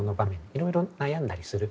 いろいろ悩んだりする。